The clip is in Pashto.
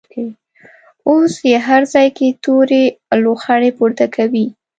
اوس یې هر ځای کې تورې لوخړې پورته کوي.